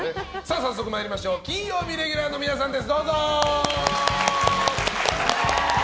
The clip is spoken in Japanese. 早速参りましょう金曜日レギュラーの皆さんです。